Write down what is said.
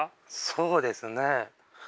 そうですね